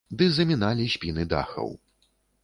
Ды заміналі спіны дахаў.